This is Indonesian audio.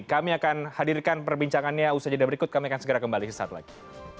kami akan hadirkan perbincangannya usai dan berikut kami akan segera kembali saat lagi